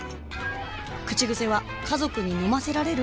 口癖は「家族に飲ませられる？」